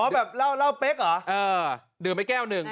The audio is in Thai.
อ๋อแบบเหล้าเป๊กเหรอเออดื่มไอ้แก้วหนึ่ง